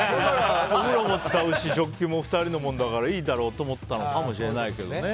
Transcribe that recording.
お風呂も使うし食器も２人のものだからいいだろうと思ったのかもしれないけどね。